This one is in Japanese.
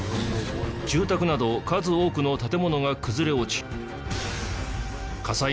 住宅など数多くの建物が崩れ落ち火災も広い範囲で発生。